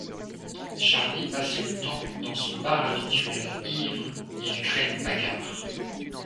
Charlie passe le temps dans son bar habituel, ivre, il crée une bagarre.